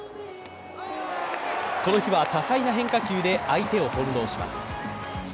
この日は多彩な変化球で相手を翻弄します。